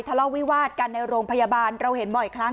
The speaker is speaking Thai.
ทะเลาะวิวาดกันในโรงพยาบาลเราเห็นบ่อยครั้ง